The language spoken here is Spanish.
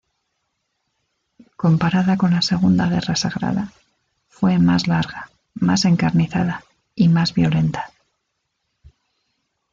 Comparada con la segunda guerra sagrada, fue más larga, más encarnizada y más violenta.